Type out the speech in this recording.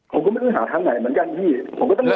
ผมก็ไม่ได้ต้องหาทางไหนเหมือนกันที่้ผมก็ต้อง